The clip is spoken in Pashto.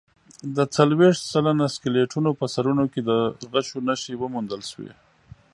د څلوېښت سلنه سکلیټونو په سرونو کې د غشو نښې وموندل شوې.